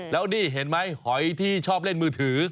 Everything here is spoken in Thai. แล้วนี่เห็นไหมหอยที่ชอบเล่นมือถือ